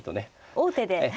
王手で。